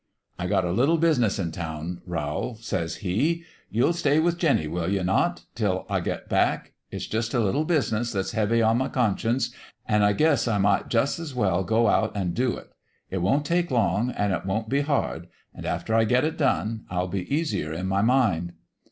"' I got a little business in town, Rowl,' says he. ' You'll stay with Jinny, will you not ? 'til I get back. It's jus' a little business that's heavy on my conscience ; an' I guess I might jus' as well go out an' do it. It won't take long, an' it won't be hard ; an' after I get it done I'll be easier in my mind.'